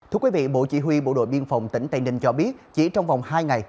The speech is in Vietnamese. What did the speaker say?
thưa quý vị bộ chỉ huy bộ đội biên phòng tỉnh tây ninh cho biết chỉ trong vòng hai ngày